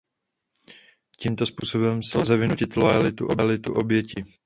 Tímto způsobem si lze vynutit loajalitu oběti.